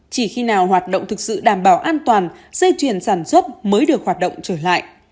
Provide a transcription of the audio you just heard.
chỉ khi nào hoạt động thực sự đảm bảo an toàn dây chuyển sản xuất mới được hoạt động trở lại